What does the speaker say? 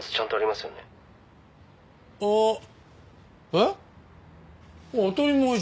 えっ？